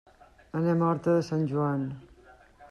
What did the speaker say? Anem a Horta de Sant Joan.